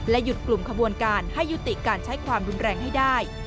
หยุดกลุ่มขบวนการให้ยุติการใช้ความรุนแรงให้ได้